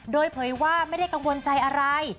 โดยเผยว่าไม่ได้กังวลใจอะไร